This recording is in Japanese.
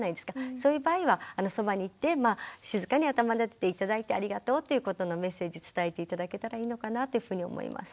そういう場合はそばに行って静かに頭なでて頂いてありがとうっていうことのメッセージ伝えて頂けたらいいのかなというふうに思います。